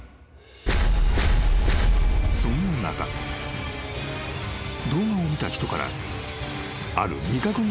［そんな中動画を見た人からある未確認